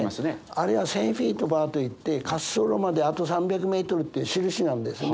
あれは１，０００フィートバーといって滑走路まであと３００メートルっていう印なんですね。